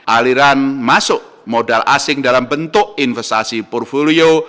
aliran masuk modal asing dalam bentuk investasi portfolio